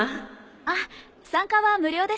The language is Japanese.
あっ参加は無料です。